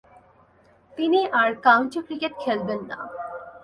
তিনি আর county cricket খেলবেন না।